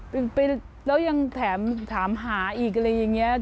ไปแล้วยังถามหาอีกอะไรอย่างนี้